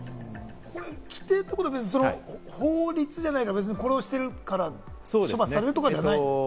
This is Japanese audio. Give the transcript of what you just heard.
これ規定ということは、法律じゃないというか、これをしてないから処罰されるとかではない？